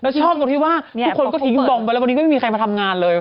แล้วชอบตรงที่ว่าทุกคนก็ทิ้งบอมไปแล้ววันนี้ก็ไม่มีใครมาทำงานเลย